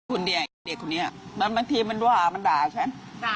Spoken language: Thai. คุณเดะเด็กคุณนี้เมื่อที่มันรว่ามันด่าฉัน